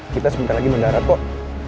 kita sebentar lagi mendarat kok